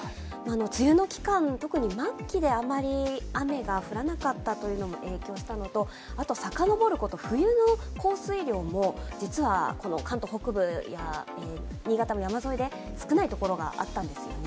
梅雨の期間、特に末期であまり雨が降らなかったというのも影響したのと、さかのぼること冬の降水量も、実は関東北部や新潟の山沿いで少ないところがあったんですよね。